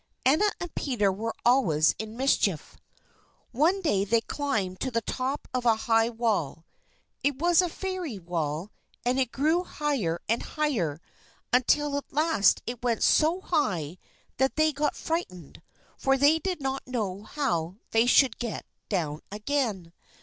Anna and Peter were always in mischief. One day they climbed to the top of a high wall. It was a fairy wall, and it grew higher and higher, until at last it went so high that they got frightened, for they did not know how they should get down again.